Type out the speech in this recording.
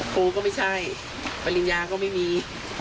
ครูก็ไม่ใช่ปริญญาก็ไม่มี